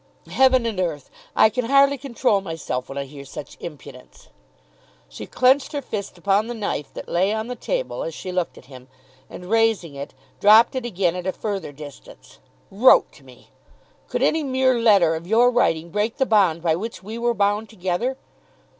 Heaven and earth; I can hardly control myself when I hear such impudence!" She clenched her fist upon the knife that lay on the table as she looked at him, and raising it, dropped it again at a further distance. "Wrote to me! Could any mere letter of your writing break the bond by which we were bound together?